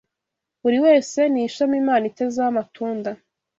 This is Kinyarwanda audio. Buri wese ni ishami Imana itezeho amatunda